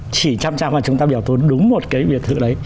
chỉ chăm chăm mà chúng ta bảo tồn đúng một cái biệt thự đấy